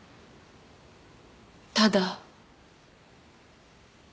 ただ。